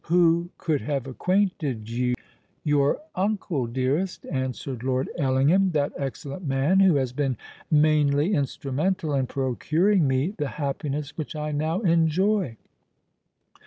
Who could have acquainted you——" "Your uncle, dearest," answered Lord Ellingham;—"that excellent man who has been mainly instrumental in procuring me the happiness which I now enjoy!"